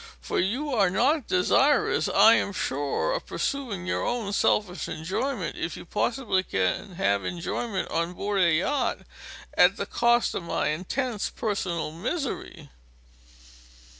For you are not desirous, I am sure, of purchasing your own selfish enjoyment if you possibly can have enjoyment on board a yacht at the cost of my intense personal misery.